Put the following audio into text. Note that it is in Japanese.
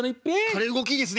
「彼動きいいですね」。